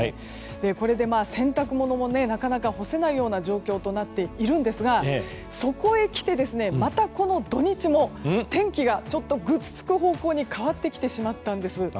これで洗濯物もなかなか干せないような状況となっているんですがそこへきて、また土日も天気がちょっとぐずつく方向に変わってきてしまったんです。